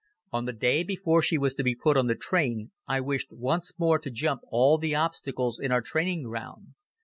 On the day before she was to be put on the train I wished once more to jump all the obstacles in our training ground.